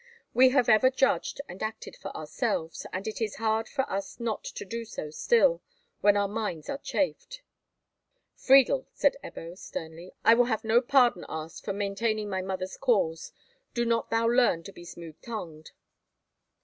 We have ever judged and acted for ourselves, and it is hard to us not to do so still, when our minds are chafed." "Friedel," said Ebbo, sternly, "I will have no pardon asked for maintaining my mother's cause. Do not thou learn to be smooth tongued."